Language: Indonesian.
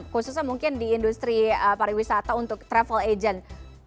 khususnya mungkin di industri pariwisata untuk travel agent